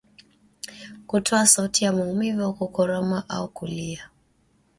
Kutoa sauti ya maumivu au kukoroma au kulia